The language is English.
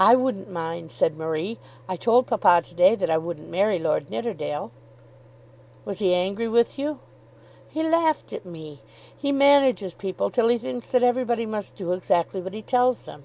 "I wouldn't mind," said Marie. "I told papa to day that I wouldn't marry Lord Nidderdale." "Was he angry with you?" "He laughed at me. He manages people till he thinks that everybody must do exactly what he tells them.